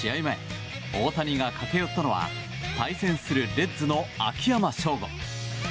前大谷が駆け寄ったのは対戦するレッズの秋山翔吾。